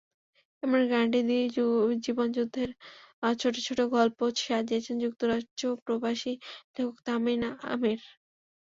এমন গ্যারান্টি দিয়েই জীবনযুদ্ধের ছোট ছোট গল্প সাজিয়েছেন যুক্তরাজ্যপ্রবাসী লেখক তাহমিনা আমীর।